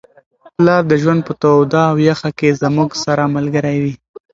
پلار د ژوند په توده او یخه کي زموږ سره ملګری وي.